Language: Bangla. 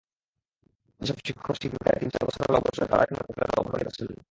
যেসব শিক্ষক-শিক্ষিকা তিন-চার বছর হলো অবসরে, তাঁরা এখনো তাঁদের ভাতাদি পাচ্ছেন না।